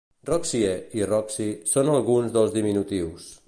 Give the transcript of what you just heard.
"Roxie" i "Roxy" són alguns dels diminutius.